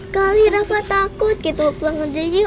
kali rafa takut kita pulang aja yuk